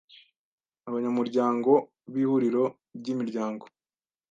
abanyamuryango b Ihuriro ry Imiryango